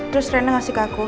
terus rena ngasih ke aku